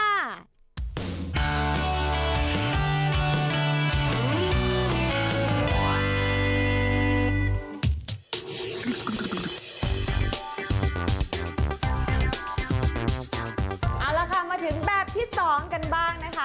เอาล่ะค่ะมาถึงแบบที่๒กันบ้างนะคะ